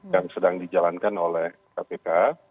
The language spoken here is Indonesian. yang sedang dijalankan oleh kpk